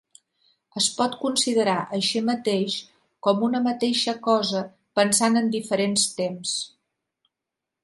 Es pot considerar, així mateix, com una mateixa cosa pensant en diferents temps.